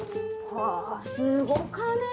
すごかね。